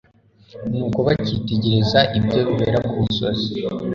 Nuko bacyitegereza ibyo bibera ku musozi "